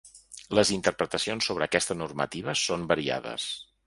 Les interpretacions sobre aquesta normativa són variades.